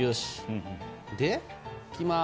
でいきます。